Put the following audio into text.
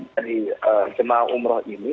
dari jemaah umroh ini